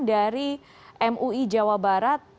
dari mui jawa barat